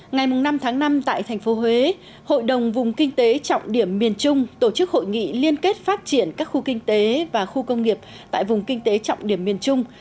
ngày năm tháng năm tại thành phố huế hội đồng vùng kinh tế trọng điểm miền trung tổ chức hội nghị liên kết phát triển các khu kinh tế và khu công nghiệp tại vùng kinh tế trọng điểm miền trung